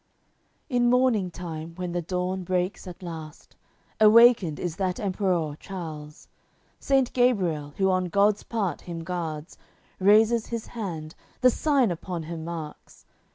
AOI. CCIII In morning time, when the dawn breaks at last, Awakened is that Emperour Charles. Saint Gabriel, who on God's part him guards, Raises his hand, the Sign upon him marks.